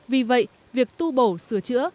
vì vậy việc tu bổ sửa chữa